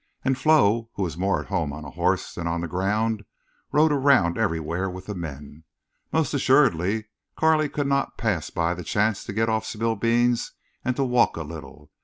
And Flo, who was more at home on a horse than on the ground, rode around everywhere with the men. Most assuredly Carley could not pass by the chance to get off Spillbeans and to walk a little.